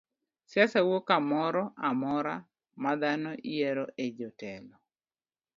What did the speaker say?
Siasa wuok kamoro amora ma dhano yiero e jotelo.